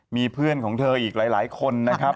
มีเพื่อนของเธออีกหลายคนนะครับ